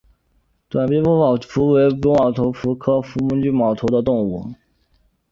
短翼菊头蝠为菊头蝠科菊头蝠属的动物。